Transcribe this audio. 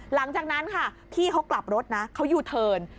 หลังจากนั้นข้อพี่เขากลับรถเขาอยู่เถิน